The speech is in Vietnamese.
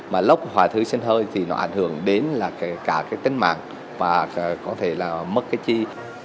mà lúc hỏa thư sinh hơi thì nó ảnh hưởng đến là cả tính mạng và có thể là mất chi